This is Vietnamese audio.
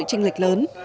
sự tranh lệch lớn